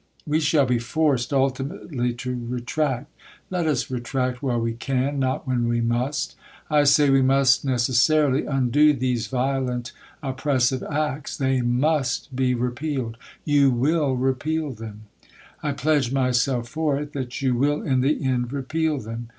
We shall be forced, ultimately, to retract; let us retract while we can, not when we must, I say we must necessarily undo these violent oppressive acti They MUST be repealed. You WILL repeal them I pledge myself for it, that you will in the end repeal them.